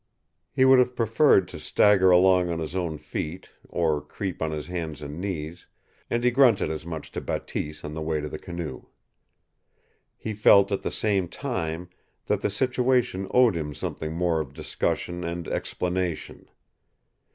He would have preferred to stagger along on his own feet or creep on his hands and knees, and he grunted as much to Bateese on the way to the canoe. He felt, at the same time, that the situation owed him something more of discussion and explanation.